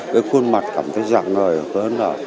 cái khuôn mặt cảm thấy dạng lời hớn hở